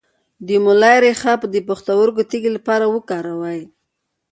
د مولی ریښه د پښتورګو د تیږې لپاره وکاروئ